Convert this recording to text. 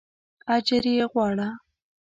اجر یې غواړه.